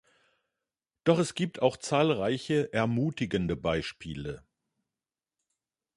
Doch es gibt auch zahlreiche ermutigende Beispiele.